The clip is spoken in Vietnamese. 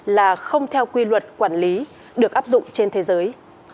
là không theo quy luật quản lý được áp dụng trên thế giới